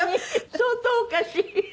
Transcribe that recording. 相当おかしい。